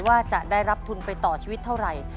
ว่าจะได้รับทุนไปต่อชีวิตเท่าไหร่